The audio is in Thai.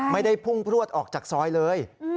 ไม่ได้พุ่งพลวดออกจากซอยเลย